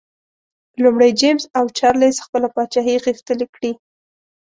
لومړی جېمز او چارلېز خپله پاچاهي غښتلي کړي.